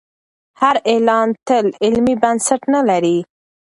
هر اعلان تل علمي بنسټ نه لري.